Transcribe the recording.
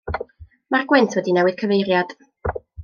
Mae'r gwynt wedi newid cyfeiriad.